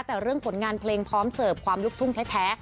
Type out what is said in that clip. แต่เรื่องผลงานเพลงพร้อมเสิร์ฟความลูกทุ่งแท้